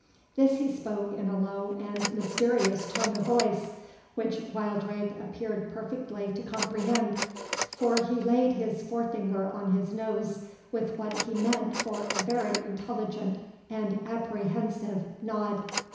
This he spoke in a low and mysterious tone of voice, which Wildrake appeared perfectly to comprehend; for he laid his forefinger on his nose with what he meant for a very intelligent and apprehensive nod.